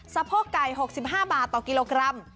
สะโพกไก่๖๕บาทต่อกิโลกรัม